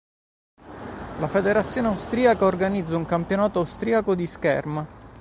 La federazione austriaca organizza un Campionato austriaco di scherma.